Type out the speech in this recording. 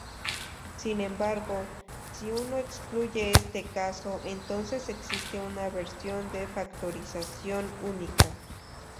Sin embargo si uno excluye este caso entonces existe una versión de factorización única.